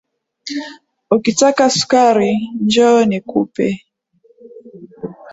Ukitaka sukari njoo nikupee